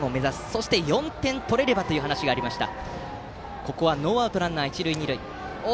そして、４点取れればという話がありました。